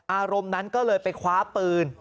อารมณ์นั้นก็เลยไปคว้าปืน